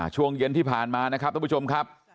ช่วงเย็นที่ผ่านมานะครับท่านผู้ชมครับ